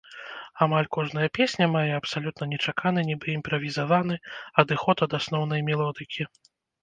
Амаль кожная песня мае абсалютна нечаканы нібы імправізаваны адыход ад асноўнай мелодыкі.